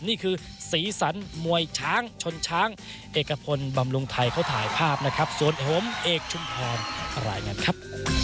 นี่คือสีสันมวยช้างชนช้างเอกพลบำรุงไทยเขาถ่ายภาพนะครับส่วนผมเอกชุมพรรายงานครับ